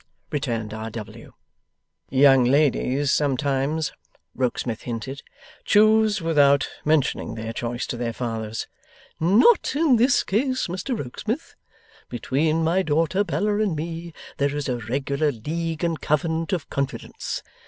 returned R. W. 'Young ladies sometimes,' Rokesmith hinted, 'choose without mentioning their choice to their fathers.' 'Not in this case, Mr Rokesmith. Between my daughter Bella and me there is a regular league and covenant of confidence.